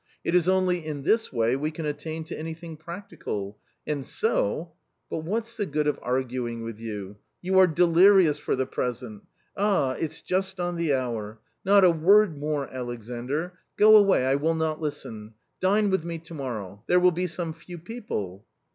It is only in this way we can attain to anything practical ; and so But what's the good of arguing with you — you are delirious for the present? Ah! it's just on the hour. Not a word more, Alexandr; go away, I will not listen; dine with me to morrow; there will be some few people."